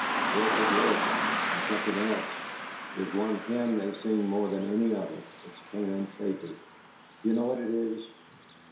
"Yes, it would. And something else: there's one hymn they sing more than any other; it's Canaan's favorite. Do you know what it is?"